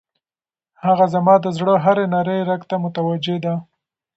هغه زما د زړه هر نري رګ ته متوجه ده.